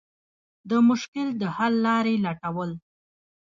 د مشکل د حل لارې لټول.